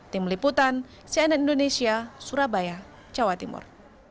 tim liputan cnn indonesia surabaya jawa timur